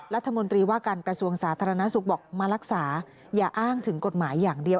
รัฐมนตรีว่าการกระทรวงสาธารณสุขบอกมารักษาอย่าอ้างถึงกฎหมายอย่างเดียว